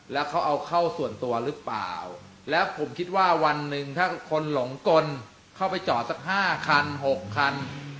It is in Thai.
แล้วเขาเอาเข้าส่วนตัวหรือเปล่าแล้วผมคิดว่าวันหนึ่งถ้าคนหลงกลเข้าไปจอดสัก๕คัน๖คัน